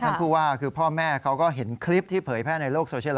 ผู้ว่าคือพ่อแม่เขาก็เห็นคลิปที่เผยแพร่ในโลกโซเชียล